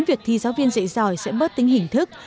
việc thi giáo viên dạy giỏi sẽ bớt tính hình thức